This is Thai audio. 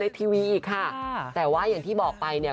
ทีวีอีกค่ะแต่ว่าอย่างที่บอกไปเนี่ย